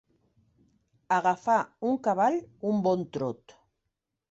Agafar un cavall un bon trot.